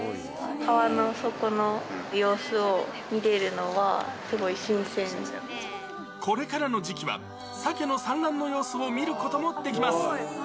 川の底の様子を見れるのは、これからの時期は、サケの産卵の様子を見ることもできます。